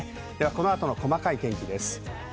この後の細かい天気です。